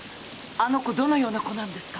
あの子どのような子なんですか？